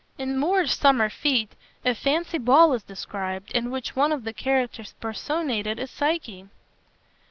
In Moore's "Summer Fete" a fancy ball is described, in which one of the characters personated is Psyche